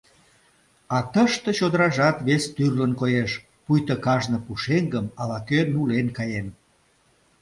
А тыште чодыражат вес тӱрлын коеш, пуйто кажне пушеҥгым ала-кӧ нулен каен.